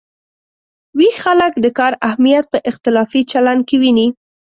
ویښ خلک د کار اهمیت په اختلافي چلن کې ویني.